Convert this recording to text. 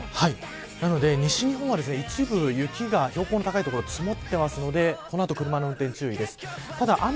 なので、西日本は一部、雪が標高の高い所は積もってますのでこの後、車の運転注意です。